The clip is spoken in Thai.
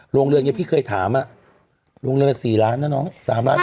โรงเรืองนี้พี่เคยถามอะโรงเรืองนี้๔ล้านแล้วเนาะ๓ล้าน๔ล้าน